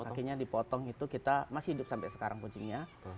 kakinya dipotong itu kita masih hidup sampai sekarang kucingnya